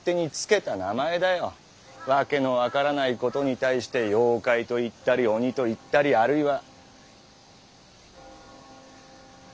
訳の分からないことに対して「妖怪」と言ったり「鬼」と言ったりあるいは「神」と言ったり。